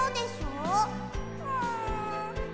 うん。